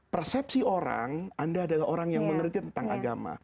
persepsi orang anda adalah orang yang mengerti tentang agama